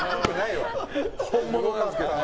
本物なんですけどね。